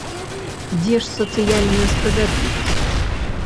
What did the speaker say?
Дзе ж сацыяльная справядлівасць?